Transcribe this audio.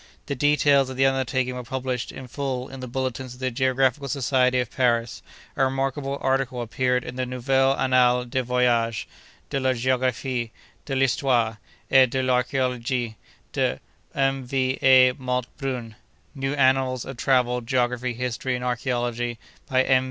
The details of the undertaking were published in full in the bulletins of the Geographical Society of Paris; a remarkable article appeared in the Nouvelles Annales des Voyages, de la Géographie, de l'Histoire, et de l'Archaeologie de M. V. A. Malte Brun ("New Annals of Travels, Geography, History, and Archaeology, by M.